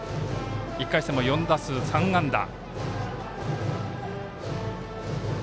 １回戦も４打数３安打。